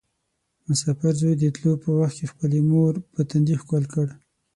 مسافر زوی د تلو په وخت کې خپلې مور په تندي ښکل کړ.